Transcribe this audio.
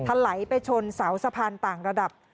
ถลายไปชนเสาสะพานต่างระดับ